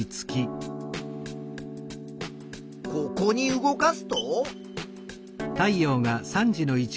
ここに動かすと？